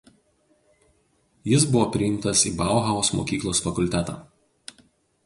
Jis buvo priimtas į „Bauhaus“ mokyklos fakultetą.